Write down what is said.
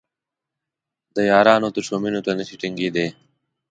د یارانو تشو مینو ته نشي ټینګېدای.